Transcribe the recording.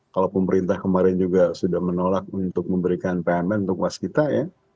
kalau pemerintah kemarin juga sudah menolak untuk memberikan pmn untuk waskita ya